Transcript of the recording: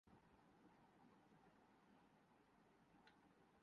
عقیدہ توحید کے مختلف پہلو ہیں